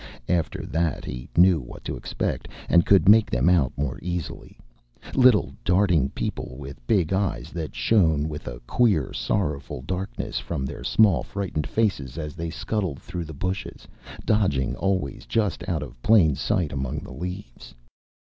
After that he knew what to expect and could make them out more easily: little, darting people with big eyes that shone with a queer, sorrowful darkness from their small, frightened faces as they scuttled through the bushes, dodging always just out of plain sight among the leaves.